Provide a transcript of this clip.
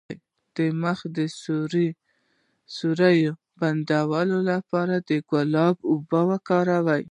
د مخ د سوریو د بندولو لپاره د ګلاب اوبه وکاروئ